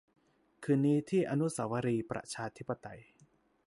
คืนนี้ที่อนุสาวรีย์ประชาธิปไตย